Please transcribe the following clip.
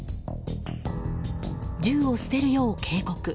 銃を捨てるよう警告。